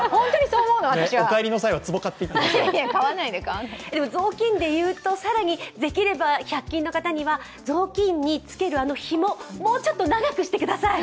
お帰りの際はつぼを買ってでも、雑巾でいうと、できれば１００均の方にはぞうきんにつけるあの、ひももうちょっと長くしてください。